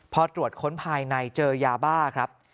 พอตรวจค้นภายในเจอยาบ้าครับ